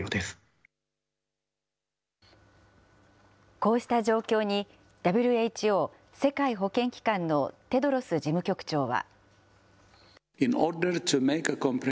こうした状況に、ＷＨＯ・世界保健機関のテドロス事務局長は。